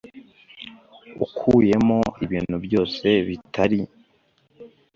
ukuyemo ibintu byose bitari